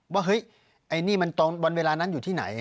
ว่าเฮ้ยไอ้นี่มันตอนวันเวลานั้นอยู่ที่ไหน